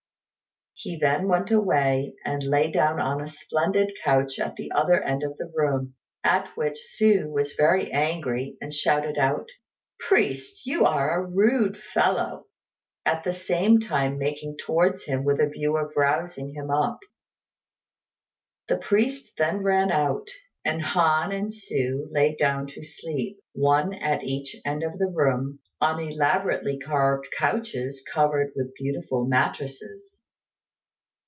He then went away, and lay down on a splendid couch at the other end of the room; at which Hsü was very angry, and shouted out, "Priest, you are a rude fellow," at the same time making towards him with a view of rousing him up. The priest then ran out, and Han and Hsü lay down to sleep, one at each end of the room, on elaborately carved couches covered with beautiful mattresses.